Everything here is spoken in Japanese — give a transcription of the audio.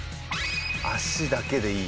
脚だけでいい。